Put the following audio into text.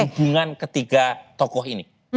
hubungan ketiga tokoh ini